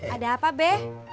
ada apa be